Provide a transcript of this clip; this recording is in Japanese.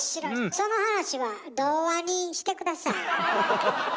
その話は童話にして下さい。